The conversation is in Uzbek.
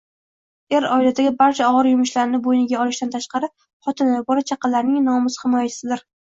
Er oiladagi barcha og‘ir yumushlarni buyniga olishdan tashqari, xotini, bola chaqlarining nomusi ximoyachisidir